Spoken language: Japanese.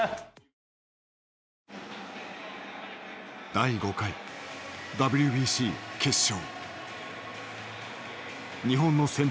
第５回ＷＢＣ決勝。